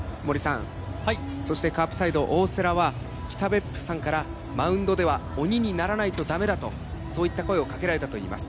カープサイド、大瀬良は北別府さんからマウンドでは鬼にならないと駄目だと、そういった声をかけられたといいます。